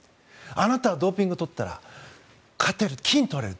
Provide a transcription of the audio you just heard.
あなたはドーピングを取ったら勝てる、金を取れる。